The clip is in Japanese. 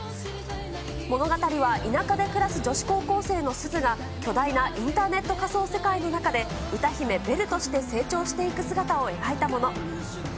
物語は田舎で暮らす女子高校生のすずが、巨大なインターネット仮想世界の中で、歌姫、ベルとして成長していく姿を描いたもの。